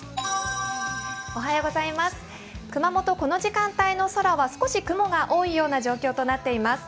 熊本、この時間帯の空は少し雲が多いような状態になっています。